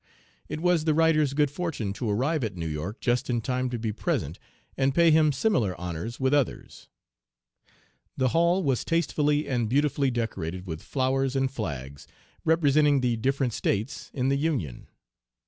It was the writer's good fortune to arrive at New York just in time to be present and pay him similar honors with others. The hall was tastefully and beautifully decorated with flowers and flags, representing the different States in the Union.